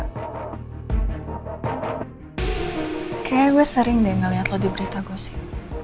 kayaknya gue sering deh ngeliat lo di berita gue sih